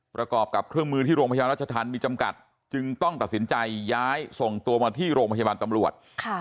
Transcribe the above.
ประกอบกับเครื่องมือที่โรงพยาบาลรัชธรรมมีจำกัดจึงต้องตัดสินใจย้ายส่งตัวมาที่โรงพยาบาลตำรวจ